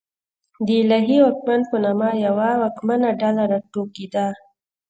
د الهي واکمن په نامه یوه واکمنه ډله راوټوکېده.